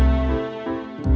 aku sudah memikirkan sesuatu